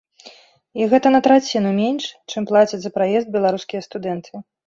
І гэта на траціну менш, чым плацяць за праезд беларускія студэнты.